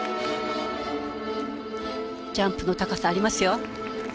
ジャンプの高さありますよ。